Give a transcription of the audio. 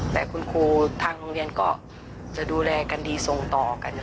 แต่คุณครูทางโรงเรียนก็จะดูแลกันดีส่งต่อกัน